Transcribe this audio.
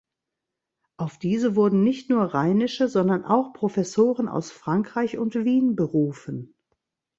Auf diese wurden nicht nur rheinische, sondern auch Professoren aus Frankreich und Wien berufen.